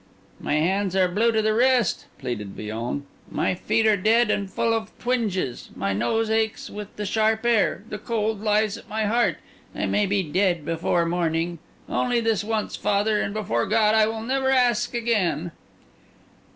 "My hands are blue to the wrist," pleaded Villon; "my feet are dead and full of twinges; my nose aches with the sharp air; the cold lies at my heart. I may be dead before morning. Only this once, father, and before God I will never ask again!"